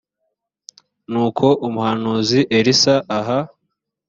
nuko umuhanuzi elisa aha